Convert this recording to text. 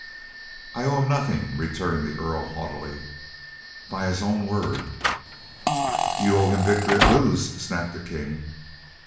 "I owe him nothing," returned the Earl haughtily, "by his own word." "You owe him victory at Lewes," snapped the King.